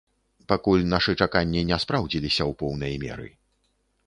Пакуль нашы чаканні не спраўдзіліся ў поўнай меры.